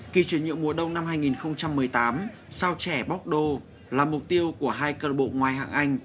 khi chuyển nhượng mùa đông năm hai nghìn một mươi tám sao trẻ bóc đô là mục tiêu của hai cơ bộ ngoại hạng anh